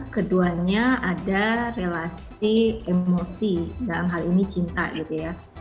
keduanya ada relasi emosi dalam hal ini cinta gitu ya